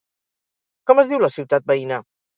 Com es diu la ciutat veïna?